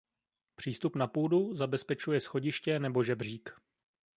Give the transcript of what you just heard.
Přístup na půdu zabezpečuje schodiště nebo žebřík.